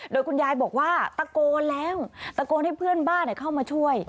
โดยคุณยายบอกว่าตะโกนแล้วตะโกนให้เพื่อนบ้านเข้ามาช่วย